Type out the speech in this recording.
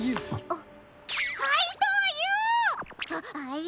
あっ！